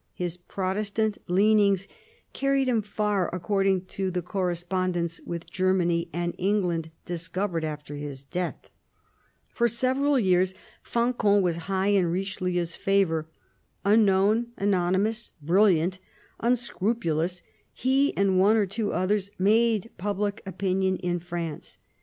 His Protestant leanings carried him far, according to the correspondence with Germany and England discovered after his death. For several years Fancan was high in Richelieu's favour. Unknown, anonymous, brilliant, unscrupulous, he and one or two others made public opinion in France.